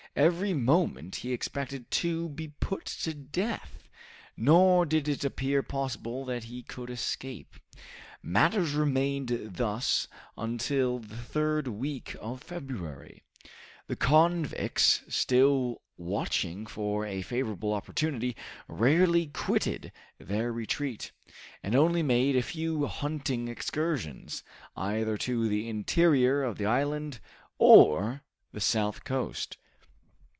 Every moment he expected to be put to death, nor did it appear possible that he could escape. Matters remained thus until the third week of February. The convicts, still watching for a favorable opportunity, rarely quitted their retreat, and only made a few hunting excursions, either to the interior of the island, or the south coast.